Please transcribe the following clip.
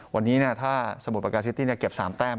วันนี้น่ะถ้าสมุดปลาการ์ซิตี้เนี่ยเก็บสามแต้ม